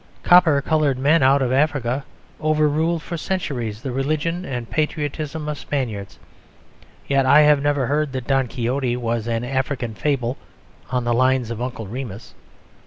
Copper coloured men out of Africa overruled for centuries the religion and patriotism of Spaniards. Yet I have never heard that Don Quixote was an African fable on the lines of Uncle Remus.